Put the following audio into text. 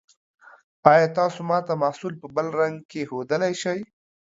ایا تاسو ما ته محصول په بل رنګ کې ښودلی شئ؟